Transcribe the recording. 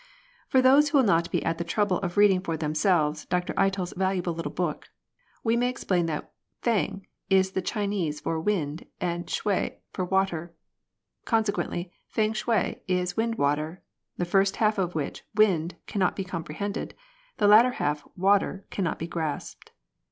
For those who will not be at the trouble of reading for themselves Dr EiteFs valuable little book, we may explain that Feng is the Chinese for wind and Shui for ivater ; consequently Feng shui is wind water ; the first half of which, wind, cannot be comprehended, the latter half, water, cannot be grasped.